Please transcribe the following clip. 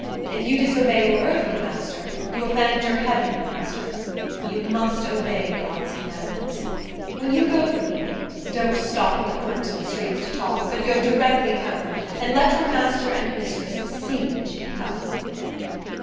If you disobey your earthly master, you offend your heavenly Master. You must obey God's commandments. When you go from here, don't stop at the corners of the streets to talk, but go directly home, and let your master and mistress see that you have come."